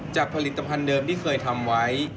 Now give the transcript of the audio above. ผลิตภัณฑ์เดิมที่เคยทำไว้